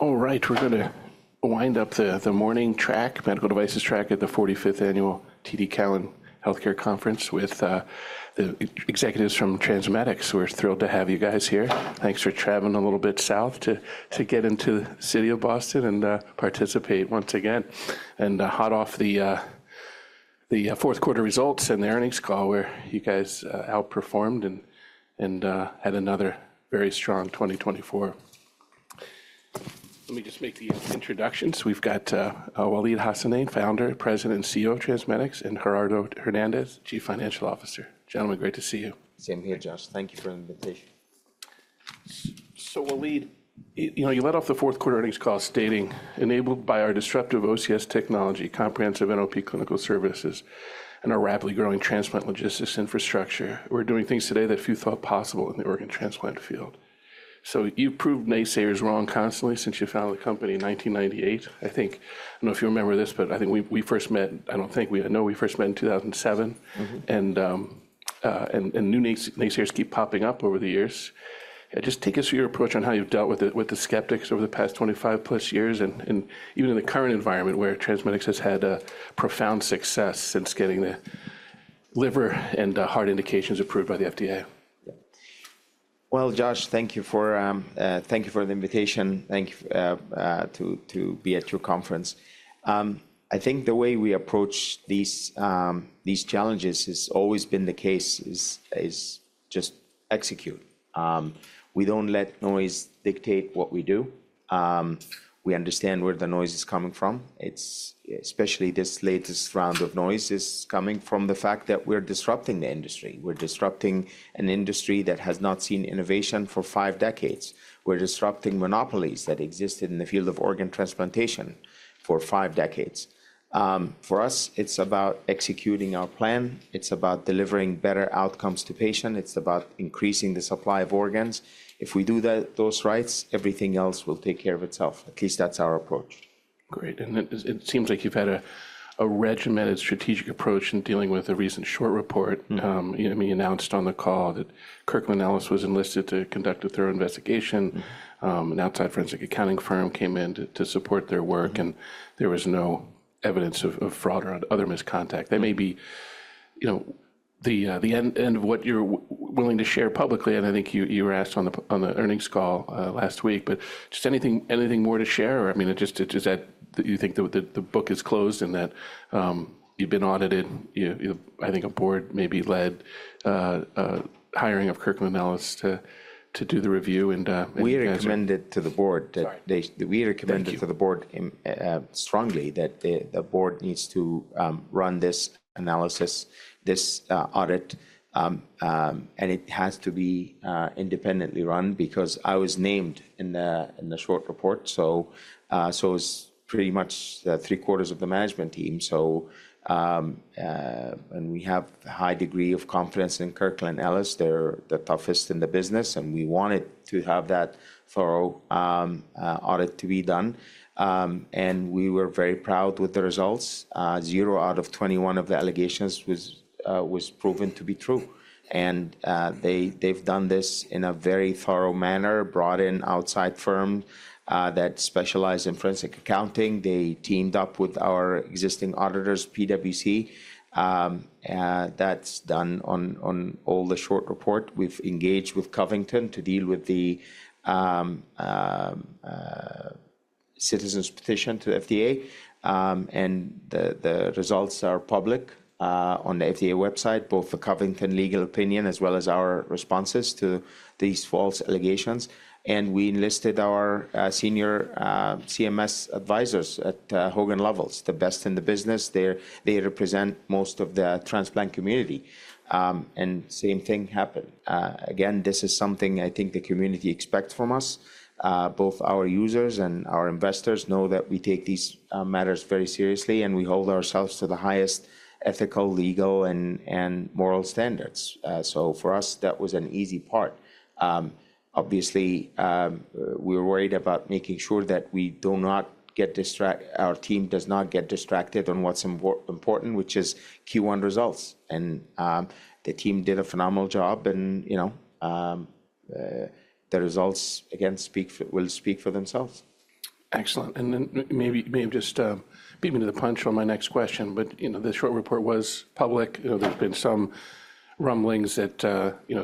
All right, we're going to wind up the morning track, Medical Devices track, at the 45th Annual TD Cowen Healthcare Conference with the executives from TransMedics. We're thrilled to have you guys here. Thanks for traveling a little bit south to get into the city of Boston and participate once again, and hot off the fourth quarter results and the earnings call, where you guys outperformed and had another very strong 2024. Let me just make these introductions. We've got Waleed Hassanein, Founder, President, and CEO of TransMedics, and Gerardo Hernandez, Chief Financial Officer. Gentlemen, great to see you. Same here, Josh. Thank you for the invitation. So Waleed, you led off the fourth quarter earnings call stating, "Enabled by our disruptive OCS technology, comprehensive NOP clinical services, and our rapidly growing transplant logistics infrastructure, we're doing things today that few thought possible in the organ transplant field." So you've proved naysayers wrong constantly since you founded the company in 1998. I think, I don't know if you remember this, but I know we first met in 2007. And new naysayers keep popping up over the years. Just take us through your approach on how you've dealt with the skeptics over the past 25 plus years, and even in the current environment where TransMedics has had profound success since getting the liver and heart indications approved by the FDA. Josh, thank you for the invitation. Thank you to be at your conference. I think the way we approach these challenges has always been the case is just execute. We don't let noise dictate what we do. We understand where the noise is coming from, especially this latest round of noise is coming from the fact that we're disrupting the industry. We're disrupting an industry that has not seen innovation for five decades. We're disrupting monopolies that existed in the field of organ transplantation for five decades. For us, it's about executing our plan. It's about delivering better outcomes to patients. It's about increasing the supply of organs. If we do those right, everything else will take care of itself. At least that's our approach. Great, and it seems like you've had a regimented strategic approach in dealing with a recent short report. You announced on the call that Kirkland & Ellis was enlisted to conduct a thorough investigation. An outside forensic accounting firm came in to support their work, and there was no evidence of fraud or other misconduct. That may be the end of what you're willing to share publicly, and I think you were asked on the earnings call last week, but just anything more to share? I mean, is that you think that the book is closed and that you've been audited? I think a board maybe led hiring of Kirkland & Ellis to do the review and. We recommended to the board strongly that the board needs to run this analysis, this audit, and it has to be independently run because I was named in the short report, so it was pretty much three quarters of the management team, so we have a high degree of confidence in Kirkland & Ellis. They're the toughest in the business, and we wanted to have that thorough audit to be done, and we were very proud with the results. Zero out of 21 of the allegations was proven to be true. They've done this in a very thorough manner, brought in outside firms that specialize in forensic accounting. They teamed up with our existing auditors, PwC. That's done on all the short report. We've engaged with Covington & Burling to deal with the citizen petition to the FDA. And the results are public on the FDA website, both the Covington legal opinion as well as our responses to these false allegations. And we enlisted our senior CMS advisors at Hogan Lovells, the best in the business. They represent most of the transplant community. And same thing happened. Again, this is something I think the community expects from us. Both our users and our investors know that we take these matters very seriously, and we hold ourselves to the highest ethical, legal, and moral standards. So for us, that was an easy part. Obviously, we were worried about making sure that we do not get distracted, our team does not get distracted on what's important, which is Q1 results. And the team did a phenomenal job, and the results, again, will speak for themselves. Excellent. And then maybe just beat me to the punch on my next question, but the short report was public. There's been some rumblings that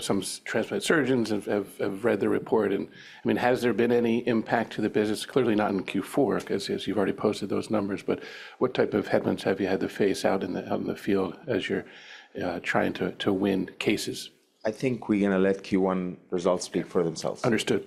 some transplant surgeons have read the report. And I mean, has there been any impact to the business? Clearly not in Q4, because as you've already posted those numbers, but what type of headwinds have you had to face out in the field as you're trying to win cases? I think we're going to let Q1 results speak for themselves. Understood.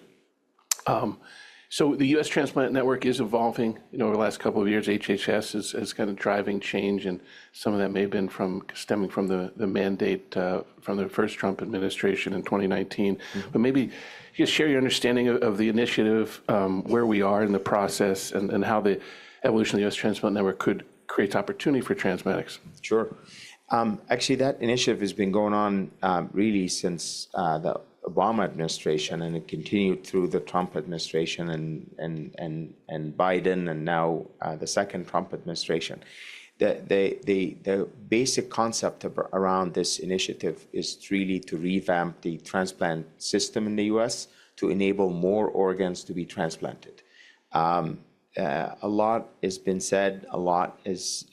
So the U.S. Transplant Network is evolving over the last couple of years. HHS is kind of driving change, and some of that may have been stemming from the mandate from the first Trump administration in 2019. But maybe just share your understanding of the initiative, where we are in the process, and how the evolution of the U.S. Transplant Network could create opportunity for TransMedics. Sure. Actually, that initiative has been going on really since the Obama administration and continued through the Trump administration and Biden and now the second Trump administration. The basic concept around this initiative is really to revamp the transplant system in the U.S. to enable more organs to be transplanted. A lot has been said. A lot is,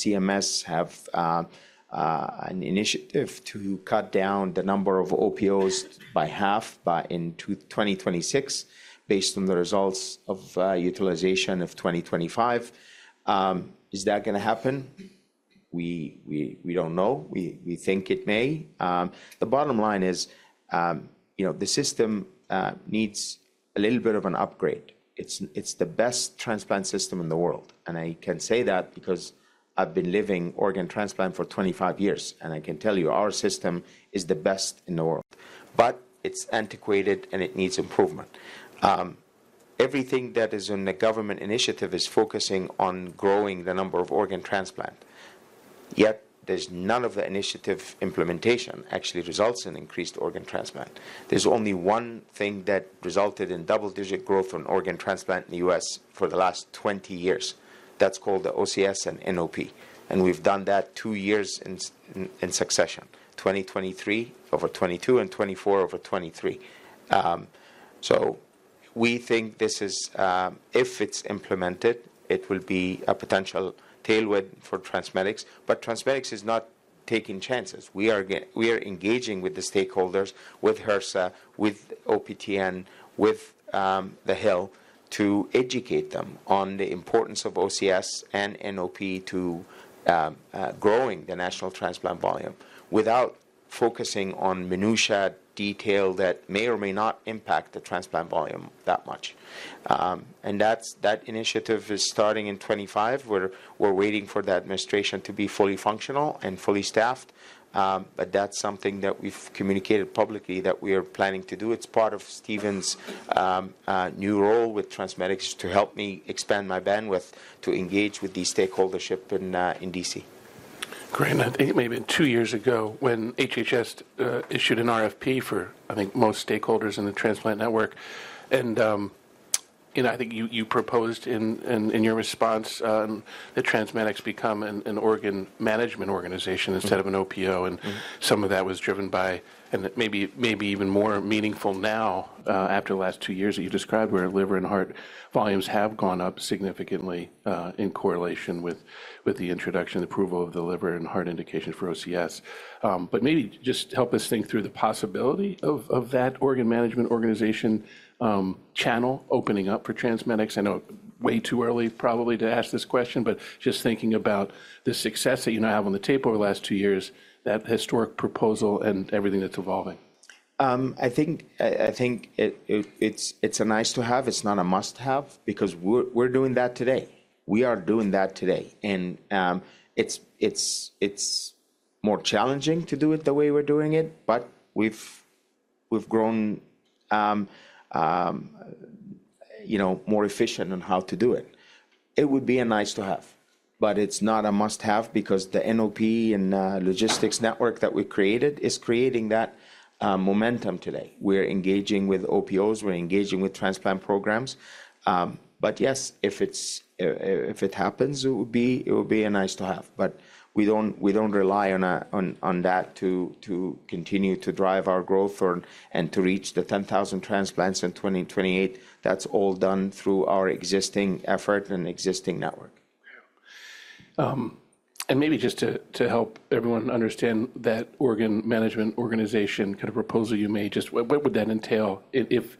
CMS has an initiative to cut down the number of OPOs by half in 2026, based on the results of utilization of 2025. Is that going to happen? We don't know. We think it may. The bottom line is the system needs a little bit of an upgrade. It's the best transplant system in the world, and I can say that because I've been in organ transplant for 25 years, and I can tell you our system is the best in the world, but it's antiquated, and it needs improvement. Everything that is on the government initiative is focusing on growing the number of organ transplant. Yet there's none of the initiative implementation actually results in increased organ transplant. There's only one thing that resulted in double-digit growth on organ transplant in the U.S. for the last 20 years. That's called the OCS and NOP. And we've done that two years in succession, 2023 over 2022 and 2024 over 2023. So we think this is, if it's implemented, it will be a potential tailwind for TransMedics. But TransMedics is not taking chances. We are engaging with the stakeholders, with HRSA, with OPTN, with the Hill to educate them on the importance of OCS and NOP to growing the national transplant volume without focusing on minutiae detail that may or may not impact the transplant volume that much. And that initiative is starting in 2025. We're waiting for the administration to be fully functional and fully staffed. But that's something that we've communicated publicly that we are planning to do. It's part of Stephen's new role with TransMedics to help me expand my bandwidth to engage with these stakeholders in D.C. Great. I think it may have been two years ago when HHS issued an RFP for, I think, most stakeholders in the transplant network. And I think you proposed in your response that TransMedics become an Organ Management Organization instead of an OPO. And some of that was driven by, and maybe even more meaningful now after the last two years that you described where liver and heart volumes have gone up significantly in correlation with the introduction and approval of the liver and heart indications for OCS. But maybe just help us think through the possibility of that Organ Management Organization channel opening up for TransMedics. I know way too early probably to ask this question, but just thinking about the success that you now have on the table over the last two years, that historic proposal and everything that's evolving. I think it's a nice to have. It's not a must-have because we're doing that today. We are doing that today, and it's more challenging to do it the way we're doing it, but we've grown more efficient on how to do it. It would be a nice to have, but it's not a must-have because the NOP and logistics network that we created is creating that momentum today. We're engaging with OPOs. We're engaging with transplant programs. But yes, if it happens, it would be a nice to have. But we don't rely on that to continue to drive our growth and to reach the 10,000 transplants in 2028. That's all done through our existing effort and existing network. Maybe just to help everyone understand that organ management organization kind of proposal you made, just what would that entail if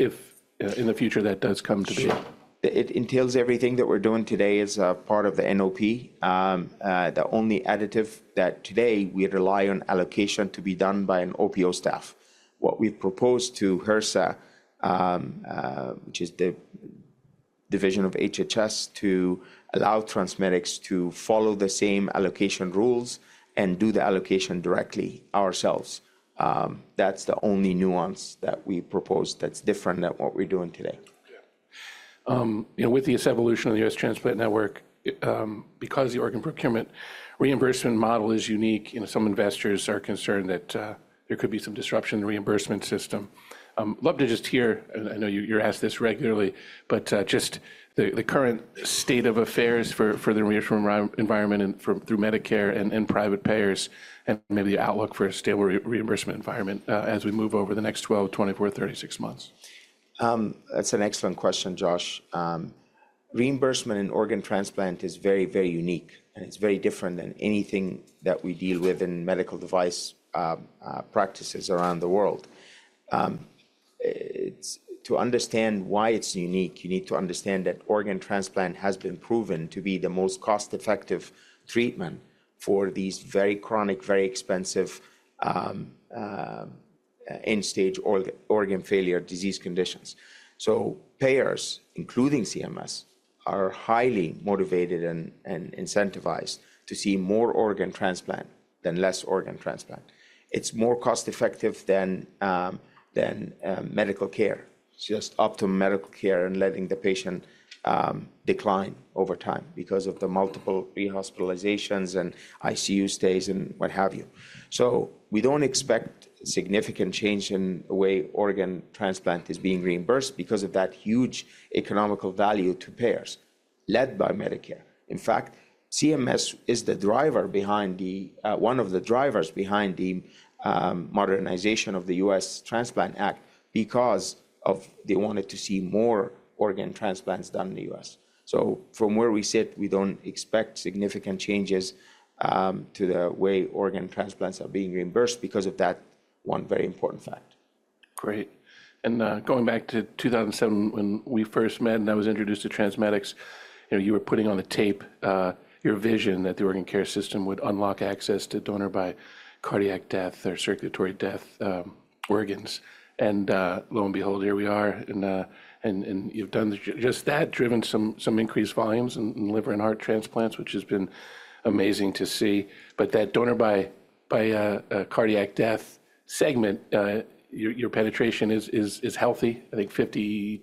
in the future that does come to be? It entails everything that we're doing today as part of the NOP. The only additive that today we rely on allocation to be done by an OPO staff. What we've proposed to HRSA, which is the division of HHS, to allow TransMedics to follow the same allocation rules and do the allocation directly ourselves. That's the only nuance that we propose that's different than what we're doing today. With this evolution of the U.S. Transplant Network, because the organ procurement reimbursement model is unique, some investors are concerned that there could be some disruption in the reimbursement system. I'd love to just hear, and I know you're asked this regularly, but just the current state of affairs for the reimbursement environment through Medicare and private payers and maybe the outlook for a stable reimbursement environment as we move over the next 12, 24, 36 months. That's an excellent question, Josh. Reimbursement in organ transplant is very, very unique, and it's very different than anything that we deal with in medical device practices around the world. To understand why it's unique, you need to understand that organ transplant has been proven to be the most cost-effective treatment for these very chronic, very expensive end-stage organ failure disease conditions. So payers, including CMS, are highly motivated and incentivized to see more organ transplant than less organ transplant. It's more cost-effective than medical care. It's just optimal medical care and letting the patient decline over time because of the multiple rehospitalizations and ICU stays and what have you. So we don't expect significant change in the way organ transplant is being reimbursed because of that huge economical value to payers led by Medicare. In fact, CMS is one of the drivers behind the modernization of the U.S. Transplant Act because they wanted to see more organ transplants done in the U.S. So from where we sit, we don't expect significant changes to the way organ transplants are being reimbursed because of that one very important fact. Great. And going back to 2007 when we first met and I was introduced to TransMedics, you were putting on the tape your vision that the Organ Care System would unlock access to donor by cardiac death or circulatory death organs. And lo and behold, here we are. And you've done just that, driven some increased volumes in liver and heart transplants, which has been amazing to see. But that donor by cardiac death segment, your penetration is healthy. I think 53%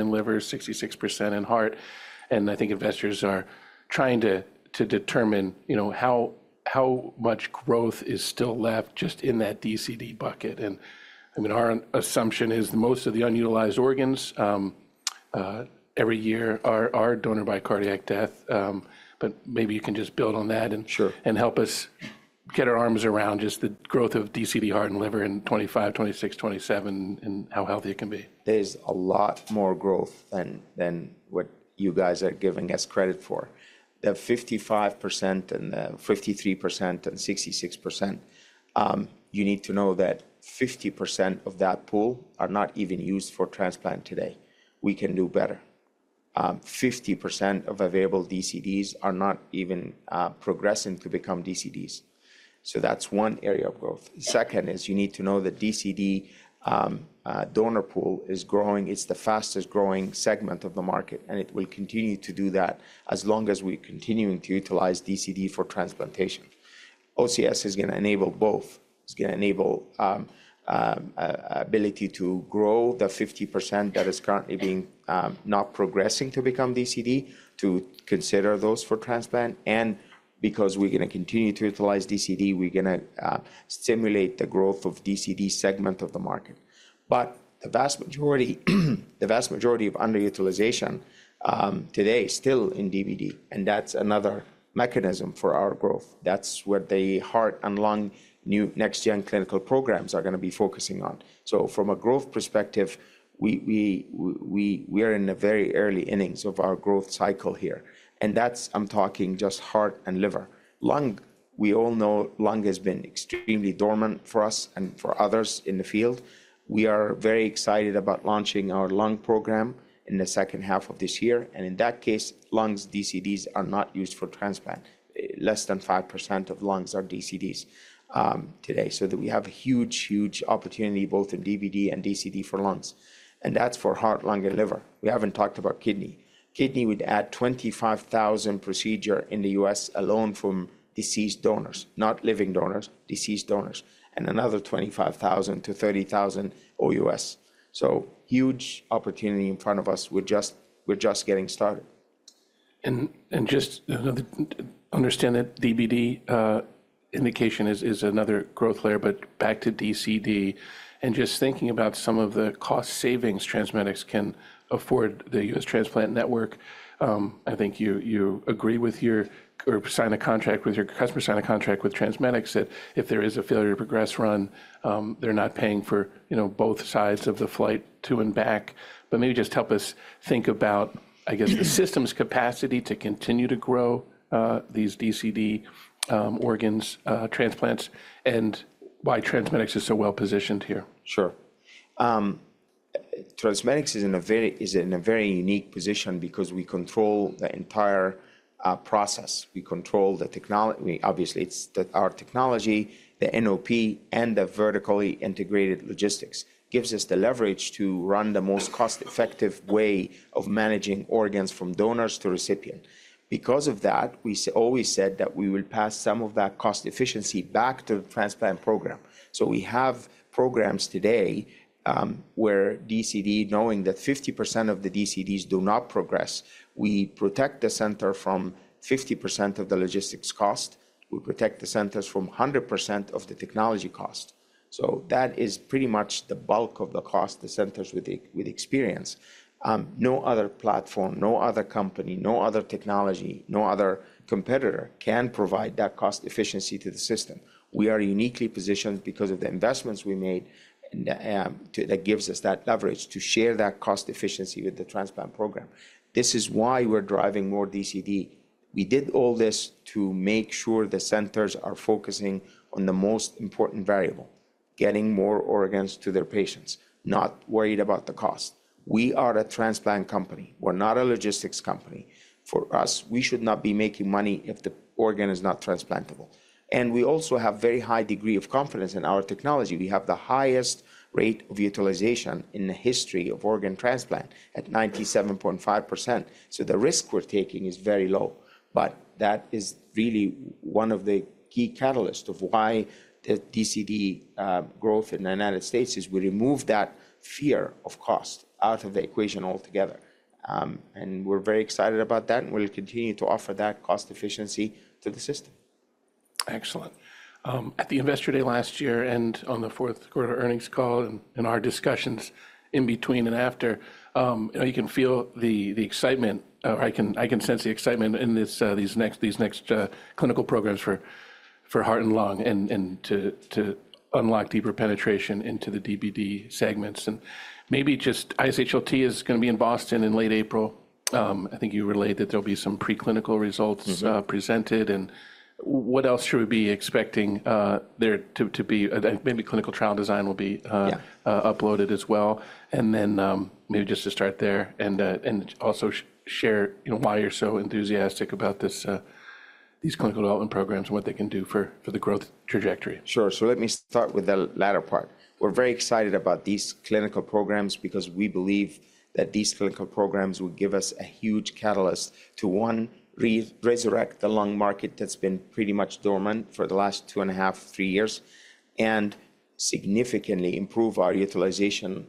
in liver, 66% in heart. And I think investors are trying to determine how much growth is still left just in that DCD bucket. And I mean, our assumption is most of the unutilized organs every year are donor by cardiac death. But maybe you can just build on that and help us get our arms around just the growth of DCD heart and liver in 2025, 2026, 2027 and how healthy it can be. There's a lot more growth than what you guys are giving us credit for. The 55% and the 53% and 66%, you need to know that 50% of that pool are not even used for transplant today. We can do better. 50% of available DCDs are not even progressing to become DCDs. So that's one area of growth. Second is you need to know the DCD donor pool is growing. It's the fastest growing segment of the market, and it will continue to do that as long as we're continuing to utilize DCD for transplantation. OCS is going to enable both. It's going to enable ability to grow the 50% that is currently being not progressing to become DCD to consider those for transplant, and because we're going to continue to utilize DCD, we're going to stimulate the growth of DCD segment of the market. But the vast majority, the vast majority of underutilization today is still in DBD. And that's another mechanism for our growth. That's what the heart and lung next-gen clinical programs are going to be focusing on. So from a growth perspective, we are in the very early innings of our growth cycle here. And that's, I'm talking just heart and liver. Lung, we all know lung has been extremely dormant for us and for others in the field. We are very excited about launching our lung program in the second half of this year. And in that case, lungs, DCDs are not used for transplant. Less than 5% of lungs are DCDs today. So we have a huge, huge opportunity both in DBD and DCD for lungs. And that's for heart, lung, and liver. We haven't talked about kidney. Kidney would add 25,000 procedures in the U.S. alone from deceased donors, not living donors, deceased donors, and another 25,000 to 30,000 OUS. So huge opportunity in front of us. We're just getting started. Just understand that DBD indication is another growth layer. But back to DCD and just thinking about some of the cost savings TransMedics can afford the U.S. Transplant Network. I think you agree with your OPO or sign a contract with your customer sign a contract with TransMedics that if there is a failure to progress run, they're not paying for both sides of the flight to and back. But maybe just help us think about, I guess, the system's capacity to continue to grow these DCD organs transplants and why TransMedics is so well positioned here. Sure. TransMedics is in a very unique position because we control the entire process. We control the technology. Obviously, it's our technology, the NOP, and the vertically integrated logistics gives us the leverage to run the most cost-effective way of managing organs from donors to recipient. Because of that, we always said that we will pass some of that cost efficiency back to the transplant program. We have programs today where DCD, knowing that 50% of the DCDs do not progress, we protect the center from 50% of the logistics cost. We protect the centers from 100% of the technology cost. That is pretty much the bulk of the cost, the centers with experience. No other platform, no other company, no other technology, no other competitor can provide that cost efficiency to the system. We are uniquely positioned because of the investments we made that gives us that leverage to share that cost efficiency with the transplant program. This is why we're driving more DCD. We did all this to make sure the centers are focusing on the most important variable, getting more organs to their patients, not worried about the cost. We are a transplant company. We're not a logistics company. For us, we should not be making money if the organ is not transplantable, and we also have a very high degree of confidence in our technology. We have the highest rate of utilization in the history of organ transplant at 97.5%. So the risk we're taking is very low, but that is really one of the key catalysts of why the DCD growth in the United States is we remove that fear of cost out of the equation altogether. We're very excited about that, and we'll continue to offer that cost efficiency to the system. Excellent. At the Investor Day last year and on the fourth quarter earnings call and our discussions in between and after, you can feel the excitement, or I can sense the excitement in these next clinical programs for heart and lung and to unlock deeper penetration into the DBD segments. And maybe just ISHLT is going to be in Boston in late April. I think you relayed that there'll be some preclinical results presented. And what else should we be expecting there to be? Maybe clinical trial design will be uploaded as well. And then maybe just to start there and also share why you're so enthusiastic about these clinical development programs and what they can do for the growth trajectory. Sure. So let me start with the latter part. We're very excited about these clinical programs because we believe that these clinical programs will give us a huge catalyst to, one, resurrect the lung market that's been pretty much dormant for the last two and a half, three years, and significantly improve our utilization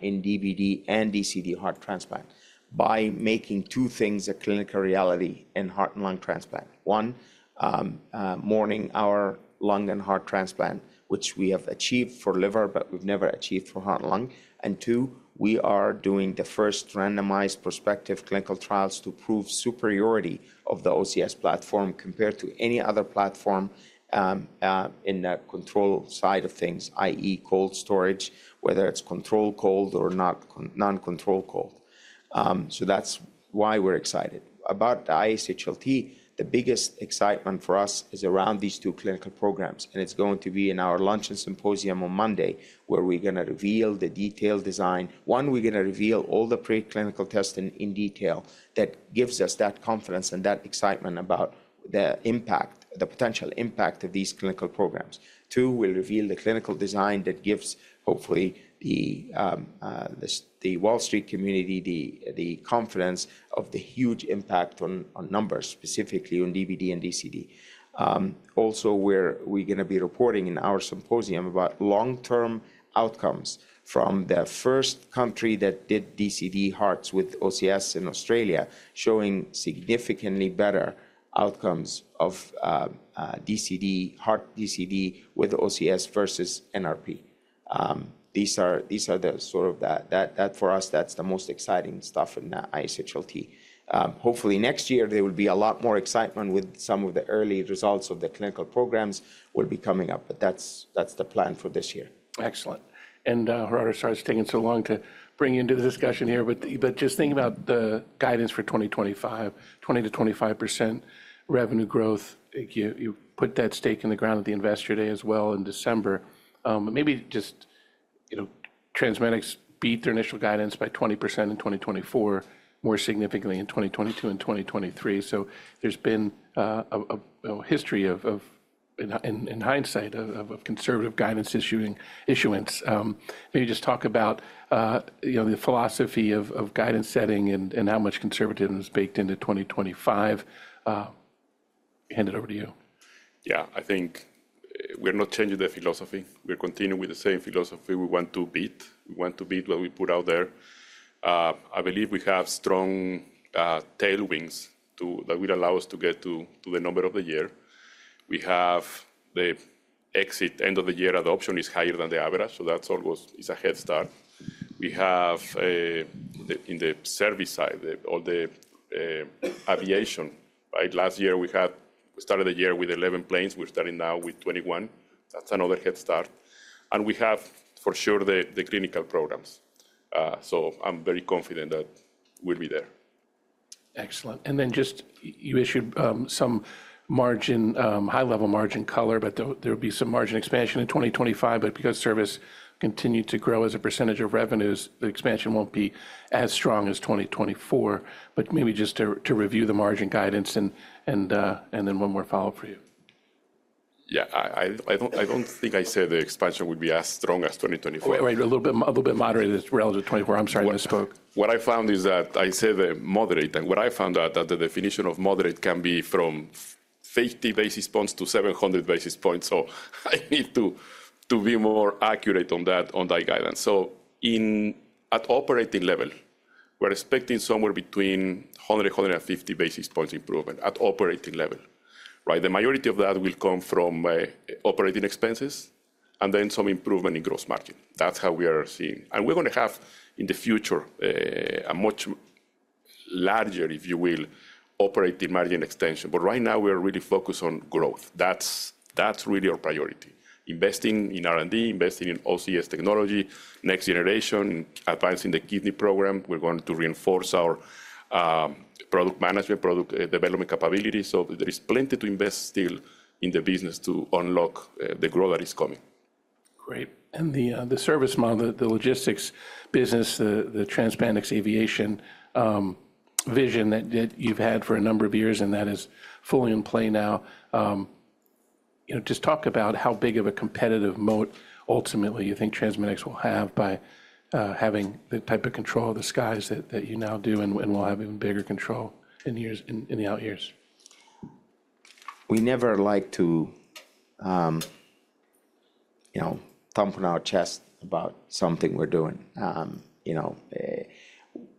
in DBD and DCD heart transplant by making two things a clinical reality in heart and lung transplant. One, our lung and heart transplant, which we have achieved for liver, but we've never achieved for heart and lung. And two, we are doing the first randomized prospective clinical trials to prove superiority of the OCS platform compared to any other platform in the control side of things, i.e., cold storage, whether it's controlled cold or non-controlled cold. So that's why we're excited. About the ISHLT, the biggest excitement for us is around these two clinical programs. It's going to be in our lunch and symposium on Monday where we're going to reveal the detailed design. One, we're going to reveal all the preclinical testing in detail that gives us that confidence and that excitement about the impact, the potential impact of these clinical programs. Two, we'll reveal the clinical design that gives hopefully the Wall Street community the confidence of the huge impact on numbers, specifically on DBD and DCD. Also, we're going to be reporting in our symposium about long-term outcomes from the first country that did DCD hearts with OCS in Australia, showing significantly better outcomes of DCD, heart DCD with OCS versus NRP. These are the sort of that for us, that's the most exciting stuff in the ISHLT. Hopefully, next year, there will be a lot more excitement with some of the early results of the clinical programs will be coming up. But that's the plan for this year. Excellent. And Gerardo, sorry it's taking so long to bring into the discussion here. But just thinking about the guidance for 2025, 20%-25% revenue growth, you put that stake in the ground at the Investor Day as well in December. Maybe just TransMedics beat their initial guidance by 20% in 2024, more significantly in 2022 and 2023. So there's been a history of, in hindsight, of conservative guidance issuance. Maybe just talk about the philosophy of guidance setting and how much conservatism is baked into 2025. Hand it over to you. Yeah, I think we're not changing the philosophy. We're continuing with the same philosophy. We want to beat. We want to beat what we put out there. I believe we have strong tailwinds that will allow us to get to the number for the year. We have the end of the year adoption is higher than the average. So that's almost a head start. We have in the service side, all the aviation. Last year, we started the year with 11 planes. We're starting now with 21. That's another head start. And we have, for sure, the clinical programs. So I'm very confident that we'll be there. Excellent. And then just you issued some margin, high-level margin color, but there will be some margin expansion in 2025. But because service continued to grow as a percentage of revenues, the expansion won't be as strong as 2024. But maybe just to review the margin guidance and then one more follow-up for you. Yeah, I don't think I said the expansion would be as strong as 2024. Right, a little bit moderately relative to 2024. I'm sorry I misspoke. What I found is that I said moderate. And what I found out that the definition of moderate can be from 50 basis points to 700 basis points. So I need to be more accurate on that guidance. So at operating level, we're expecting somewhere between 100 and 150 basis points improvement at operating level. The majority of that will come from operating expenses and then some improvement in gross margin. That's how we are seeing. And we're going to have in the future a much larger, if you will, operating margin extension. But right now, we are really focused on growth. That's really our priority. Investing in R&D, investing in OCS technology, next generation, advancing the kidney program. We're going to reinforce our product management, product development capabilities. So there is plenty to invest still in the business to unlock the growth that is coming. Great. And the service model, the logistics business, the TransMedics Aviation vision that you've had for a number of years, and that is fully in play now, just talk about how big of a competitive moat ultimately you think TransMedics will have by having the type of control of the skies that you now do and will have even bigger control in the out years? We never like to thump on our chest about something we're doing.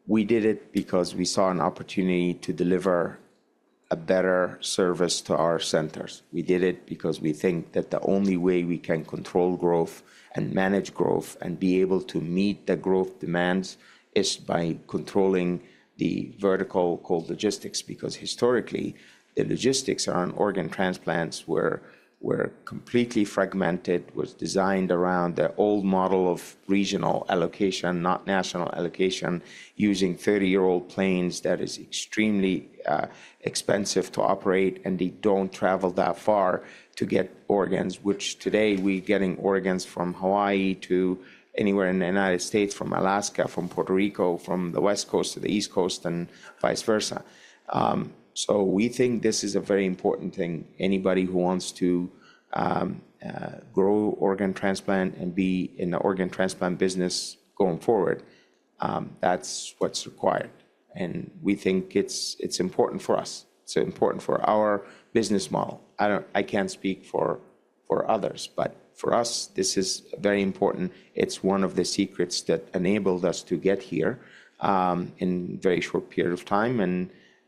We did it because we saw an opportunity to deliver a better service to our centers. We did it because we think that the only way we can control growth and manage growth and be able to meet the growth demands is by controlling the vertical called logistics. Because historically, the logistics around organ transplants were completely fragmented, was designed around the old model of regional allocation, not national allocation, using 30-year-old planes that is extremely expensive to operate. And they don't travel that far to get organs, which today we're getting organs from Hawaii to anywhere in the United States, from Alaska, from Puerto Rico, from the West Coast to the East Coast, and vice versa. So we think this is a very important thing. Anybody who wants to grow organ transplant and be in the organ transplant business going forward, that's what's required. And we think it's important for us. It's important for our business model. I can't speak for others. But for us, this is very important. It's one of the secrets that enabled us to get here in a very short period of time.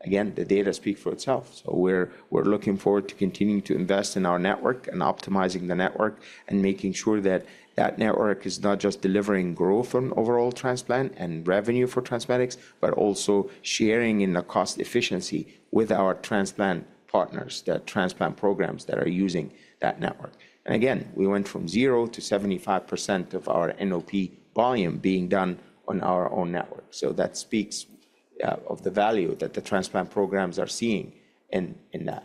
And again, the data speaks for itself. So we're looking forward to continuing to invest in our network and optimizing the network and making sure that that network is not just delivering growth on overall transplant and revenue for TransMedics, but also sharing in the cost efficiency with our transplant partners, the transplant programs that are using that network. And again, we went from 0 to 75% of our NOP volume being done on our own network. So that speaks of the value that the transplant programs are seeing in that.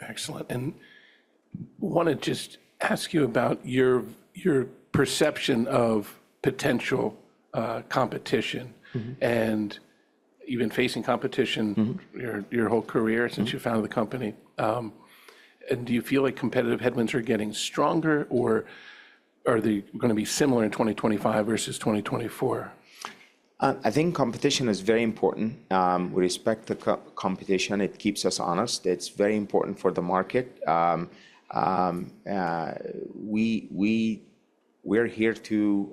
Excellent. And I want to just ask you about your perception of potential competition. And you've been facing competition your whole career since you founded the company. And do you feel like competitive headwinds are getting stronger, or are they going to be similar in 2025 versus 2024? I think competition is very important. We respect the competition. It keeps us honest. It's very important for the market. We're here to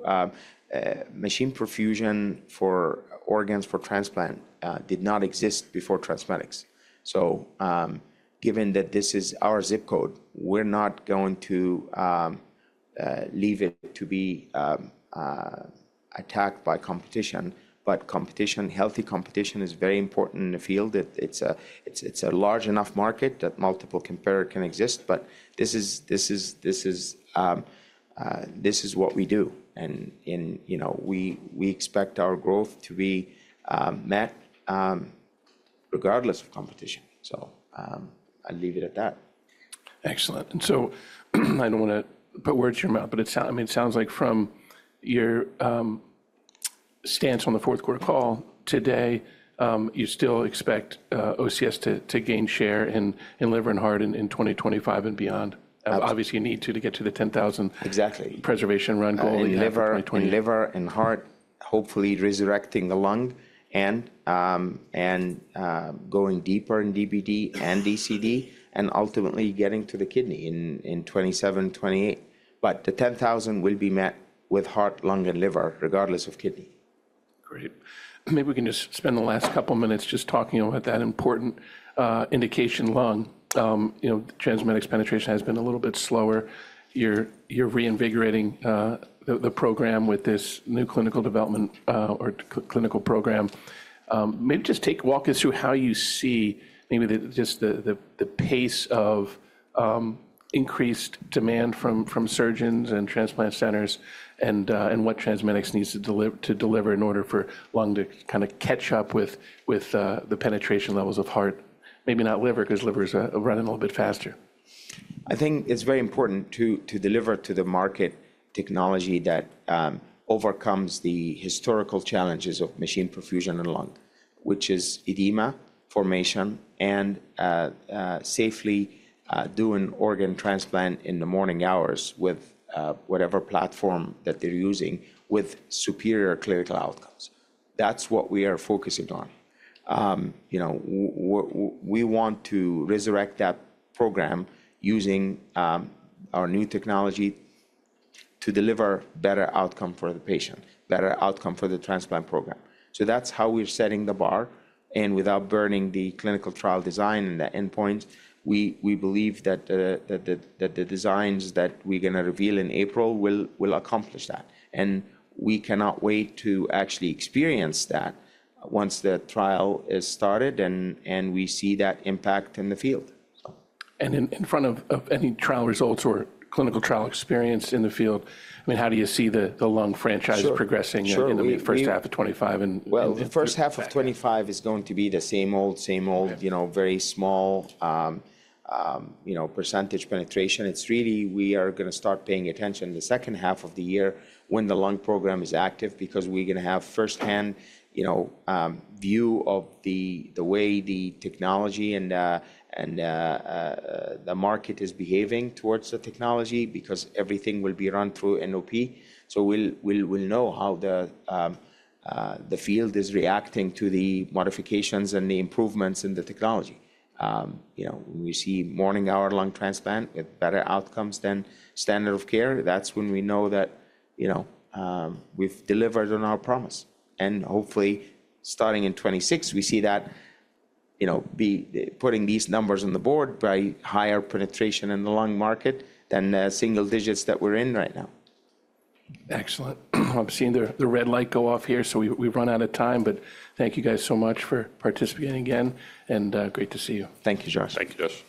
machine perfusion for organs for transplant did not exist before TransMedics. So given that this is our zip code, we're not going to leave it to be attacked by competition. But competition, healthy competition is very important in the field. It's a large enough market that multiple competitors can exist. But this is what we do. And we expect our growth to be met regardless of competition. So I'll leave it at that. Excellent. And so I don't want to put words in your mouth, but it sounds like from your stance on the fourth quarter call today, you still expect OCS to gain share in liver and heart in 2025 and beyond. Obviously, you need to get to the 10,000 preservation run goal in 2028. Liver and heart, hopefully resurrecting the lung and going deeper in DBD and DCD, and ultimately getting to the kidney in 2027, 2028, but the 10,000 will be met with heart, lung, and liver, regardless of kidney. Great. Maybe we can just spend the last couple of minutes just talking about that important indication, lung. TransMedics penetration has been a little bit slower. You're reinvigorating the program with this new clinical development or clinical program. Maybe just walk us through how you see maybe just the pace of increased demand from surgeons and transplant centers and what TransMedics needs to deliver in order for lung to kind of catch up with the penetration levels of heart. Maybe not liver, because liver is running a little bit faster. I think it's very important to deliver to the market technology that overcomes the historical challenges of machine perfusion and lung, which is edema formation and safely doing organ transplant in the morning hours with whatever platform that they're using with superior clinical outcomes. That's what we are focusing on. We want to resurrect that program using our new technology to deliver better outcome for the patient, better outcome for the transplant program. So that's how we're setting the bar. And without burning the clinical trial design and the endpoints, we believe that the designs that we're going to reveal in April will accomplish that. And we cannot wait to actually experience that once the trial is started and we see that impact in the field. In front of any trial results or clinical trial experience in the field, I mean, how do you see the lung franchise progressing in the first half of 2025? The first half of 2025 is going to be the same old, same old, very small percentage penetration. It's really we are going to start paying attention in the second half of the year when the lung program is active because we're going to have firsthand view of the way the technology and the market is behaving towards the technology because everything will be run through NOP. We'll know how the field is reacting to the modifications and the improvements in the technology. When we see normothermic lung transplant with better outcomes than standard of care, that's when we know that we've delivered on our promise. Hopefully, starting in 2026, we see that putting these numbers on the board by higher penetration in the lung market than the single digits that we're in right now. Excellent. I'm seeing the red light go off here, so we've run out of time. But thank you guys so much for participating again. And great to see you. Thank you, Josh. Thank you, Josh.